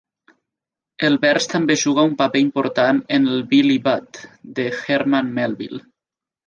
El vers també juga un paper important en el "Billy Budd" de Herman Melville.